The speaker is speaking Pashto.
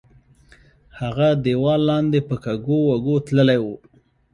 هغه دیوال لاندې په کږو وږو تللی وو.